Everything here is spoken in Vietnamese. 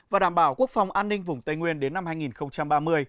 và đảm bảo quốc phòng an ninh vùng tây nguyên đến năm hai nghìn ba mươi